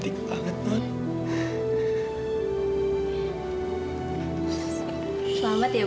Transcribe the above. disitihkan tandala luyang nyatulasa